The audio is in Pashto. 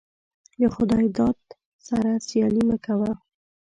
دخداى داده سره سيالي مه کوه.